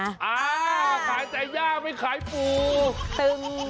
อ่าขายแต่หญ้าไม่ขายปู่